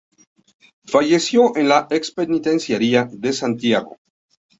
Falleció en la ex penitenciaria de Santiago.